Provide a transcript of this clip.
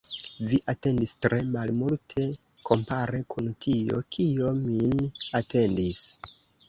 Vi atendis tre malmulte, kompare kun tio, kio min atendis.